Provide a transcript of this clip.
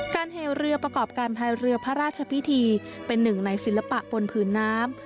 เทเรือประกอบการภายเรือพระราชพิธีเป็นหนึ่งในศิลปะบนผืนน้ำ